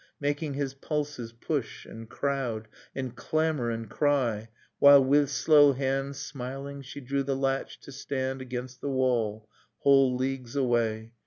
Making his pulses push and crowd ... And clamor and cry ... while with slow hand, Smiling, she drew the latch, to stand Against the wall, whole leagues away.